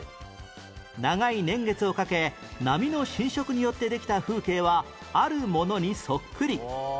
長い年月をかけ波の浸食によってできた風景はあるものにそっくり